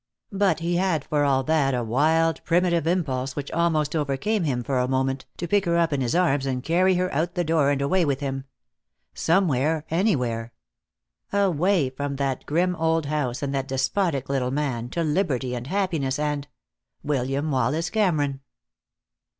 But he had for all that a wild primitive impulse which almost overcame him for a moment, to pick her up in his arms and carry her out the door and away with him. Somewhere, anywhere. Away from that grim old house, and that despotic little man, to liberty and happiness and William Wallace Cameron.